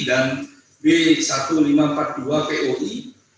dan b seribu lima ratus empat puluh dua poi